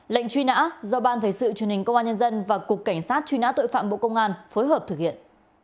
lệnh truy nã do ban thời sự truyền hình công an nhân dân và cục cảnh sát truy nã tội phạm bộ công an phối hợp thực hiện